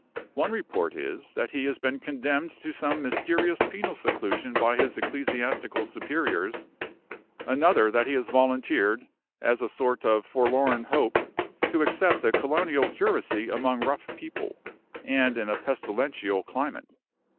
One report is, that he has been condemned to some mysterious penal seclusion by his ecclesiastical superiors another, that he has volunteered, as a sort of Forlorn Hope, to accept a colonial curacy among rough people, and in a pestilential climate.